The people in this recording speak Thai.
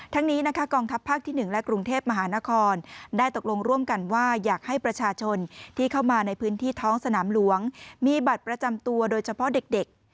นี้นะคะกองทัพภาคที่๑และกรุงเทพมหานครได้ตกลงร่วมกันว่าอยากให้ประชาชนที่เข้ามาในพื้นที่ท้องสนามหลวงมีบัตรประจำตัวโดยเฉพาะเด็ก